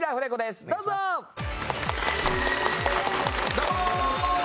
どうも！